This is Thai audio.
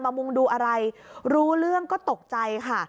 มุงดูอะไรรู้เรื่องก็ตกใจค่ะ